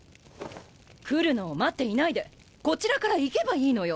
来るのを待っていないでこちらから行けばいいのよ！